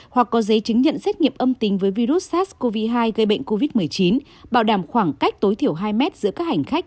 hoặc có giấy chứng nhận xét nghiệm âm tính với virus sars cov hai gây bệnh covid một mươi chín bảo đảm khoảng cách tối thiểu hai mét giữa các hành khách